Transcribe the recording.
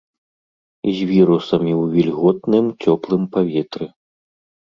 І з вірусамі ў вільготным, цёплым паветры.